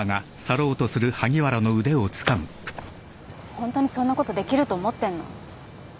ホントにそんなことできると思ってんの？